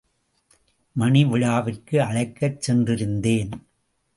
மணிவிழாவிற்கு அழைக்கச் சென்றிருந்தேன்.